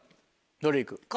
どれ行く？